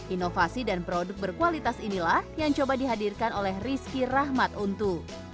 inovasi dan produk berkualitas inilah yang coba dihadirkan oleh rizky rahmat untu